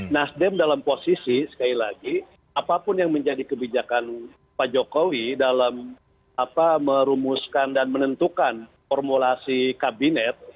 nasdem dalam posisi sekali lagi apapun yang menjadi kebijakan pak jokowi dalam merumuskan dan menentukan formulasi kabinet